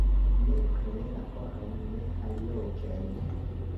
Nepre la koron, ne aliloken!